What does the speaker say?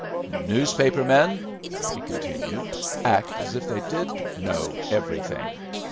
"Newspaper men," he continued, "act as if they did know everything.